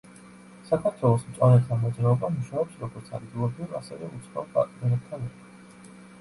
საქართველოს მწვანეთა მოძრაობა მუშაობს როგორც ადგილობრივ, ასევე უცხოელ პარტნიორებთან ერთად.